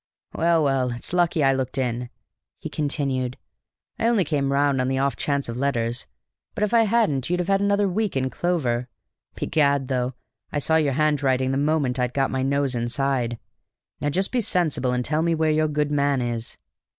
"Well, well, it's lucky I looked in," he continued. "I only came round on the off chance of letters, but if I hadn't you'd have had another week in clover. Begad, though, I saw your handwriting the moment I'd got my nose inside! Now just be sensible and tell me where your good man is."